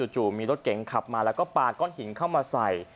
จู่มีรถเก๋งขับมาแล้วก็ปาก้อนหินเข้ามาใส่